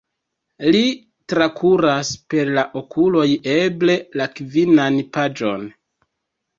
Li trakuras per la okuloj eble la kvinan paĝon.